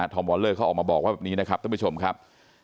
อมวอลเลอร์เขาออกมาบอกว่าแบบนี้นะครับท่านผู้ชมครับ